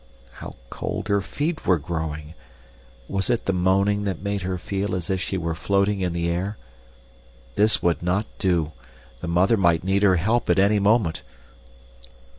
How cold her feet were growing! Was it the moaning that made her feel as if she were floating in the air? This would not do the mother might need her help at any moment!